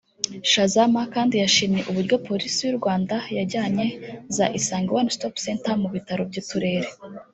Chazama kandi yashimye uburyo Polisi y’u Rwanda yajyanye za Isange One Stop Center mu bitaro by’uturere